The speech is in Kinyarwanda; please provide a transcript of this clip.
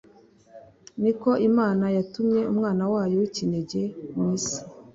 ni uko imana yatumye umwana wayo w’ikinege mu isi